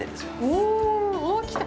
おぉ、来た！